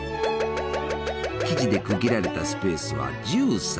生地で区切られたスペースは１３！